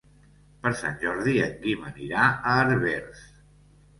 Per Sant Jordi en Guim anirà a Herbers.